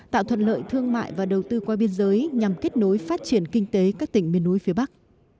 tạo thuận lợi thương mại và đầu tư qua biên giới nhằm kết nối phát triển kinh tế các tỉnh miền núi phía bắc